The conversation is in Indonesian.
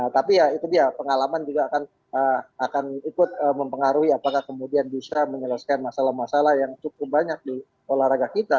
tapi ya itu dia pengalaman juga akan ikut mempengaruhi apakah kemudian bisa menyelesaikan masalah masalah yang cukup banyak di olahraga kita